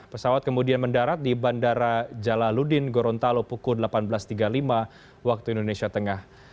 pesawat kemudian mendarat di bandara jalaludin gorontalo pukul delapan belas tiga puluh lima waktu indonesia tengah